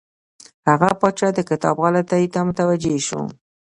هغه پاچا د کتاب غلطیو ته متوجه شو.